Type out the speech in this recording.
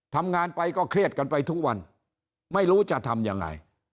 ทำงานไปก็เครียดกันไปทุกวันไม่รู้จะทำยังไง